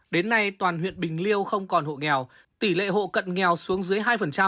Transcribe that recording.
đến nay toàn huyện bình liêu không còn hộ nghèo tỷ lệ hộ cận nghèo xuống dưới hai